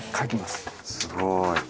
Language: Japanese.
すごい！